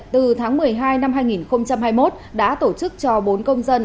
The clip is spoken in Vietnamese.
từ tháng một mươi hai năm hai nghìn hai mươi một đã tổ chức cho bốn công dân